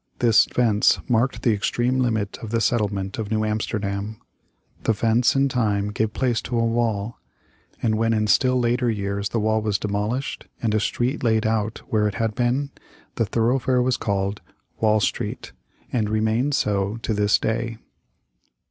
This fence marked the extreme limit of the settlement of New Amsterdam. The fence in time gave place to a wall, and when in still later years the wall was demolished and a street laid out where it had been, the thoroughfare was called Wall Street, and remains so to this day.